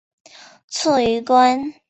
卒于官。